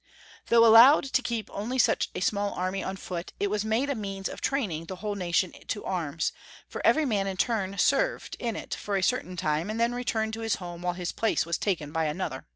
Though allowed to keep only such a small army on foot, it was made a means of train ing the whole nation to arms, for every man in turn served in it for a certain time, and then returned to his home while his place was taken by another.